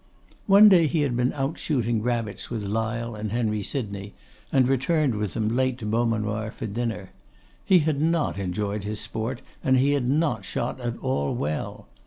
One day he had been out shooting rabbits with Lyle and Henry Sydney, and returned with them late to Beaumanoir to dinner. He had not enjoyed his sport, and he had not shot at all well.